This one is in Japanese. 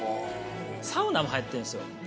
サウナも入ってるんですよ。